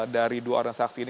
dari dua orang saksi ini